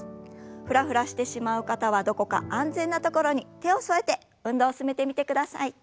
フラフラしてしまう方はどこか安全な所に手を添えて運動を進めてみてください。